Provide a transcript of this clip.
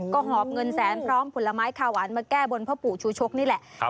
ก็หอบเงินแสนพร้อมผลไม้คาหวานมาแก้บนพ่อปู่ชูชกนี่แหละ